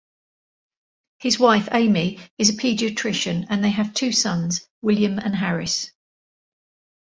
His wife, Amy, is a pediatrician and they have two sons, William and Harris.